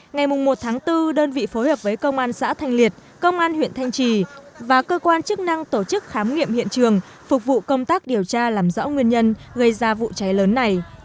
ngày một tháng bốn đơn vị phối hợp với công an xã thanh liệt công an huyện thanh trì và cơ quan chức năng tổ chức khám nghiệm hiện trường phục vụ công tác điều tra làm rõ nguyên nhân gây ra vụ cháy lớn này